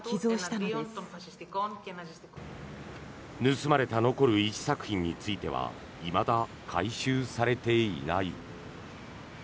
盗まれた残る１作品についてはいまだ回収されていない。